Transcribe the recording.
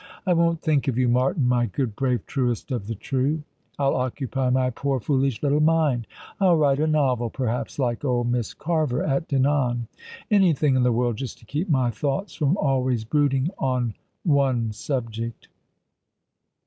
I won't think of you, Martin, my good, bravo, truest of the true ! I'll occupy my poor, foolish little mind. I'll write a novel, perhaps, like old Miss Carver at Dinan. Anything in the world — ^just to keep my thoughts from always brooding on one subject."